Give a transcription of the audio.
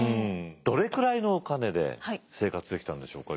どれくらいのお金で生活できたんでしょうか？